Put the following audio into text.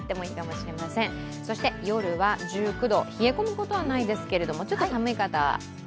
夜は１９度、冷え込むことはないですけれども、ちょっと寒い方は。